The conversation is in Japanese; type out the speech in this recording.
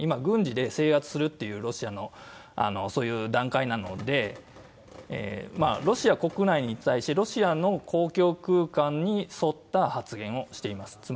軍事で制圧するというロシアのそういう段階なので、ロシア国内に対してロシアの公共空間に沿った発言をしています。